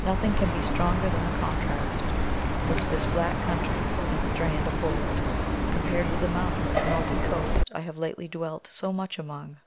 Nothing can be stronger than the contrast which this flat country and strand afford, compared with the mountains and rocky coast I have lately dwelt so much among.